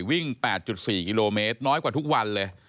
วิ่ง๘๔กิโลเมตรน้อยกว่าทุกวันเลย